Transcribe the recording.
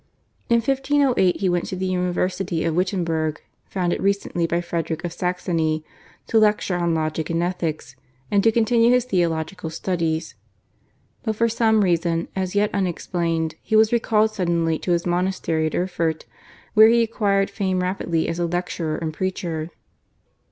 In 1508 he went to the university of Wittenberg, founded recently by Frederick of Saxony, to lecture on Logic and Ethics, and to continue his theological studies; but for some reason, as yet unexplained, he was recalled suddenly to his monastery at Erfurt, where he acquired fame rapidly as a lecturer and preacher.